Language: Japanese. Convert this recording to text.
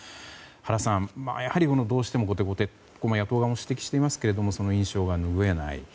原さん、やはりどうしても後手後手だと野党側も指摘していますがその印象がぬぐえない。